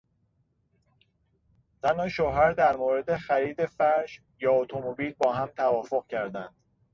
زن و شوهر در مورد خرید فرش یا اتومبیل با هم توافق کردند.